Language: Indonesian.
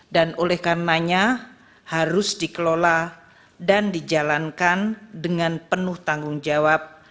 oleh karenanya harus dikelola dan dijalankan dengan penuh tanggung jawab